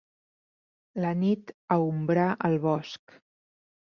La nit aombrà el bosc.